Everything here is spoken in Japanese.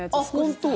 本当？